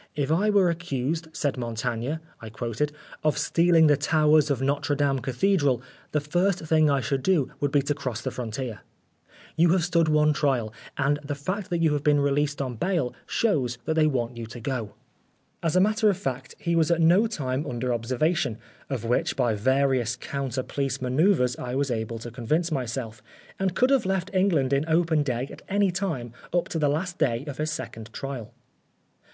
"' If I were accused, said Montaigne,' I quoted, 'of stealing the towers of Notre Dame Cathedral, the very first thing I should do would be to cross the frontier/ You have stood one trial, and the fact that you have been released on bail shows that they want you to go." 158 Oscar Wilde As a matter of fact, he was at no time under observation, of which by various counter police manoeuvres I was able to convince myself, and could have left England in open day at any time up to the last day of his second trial.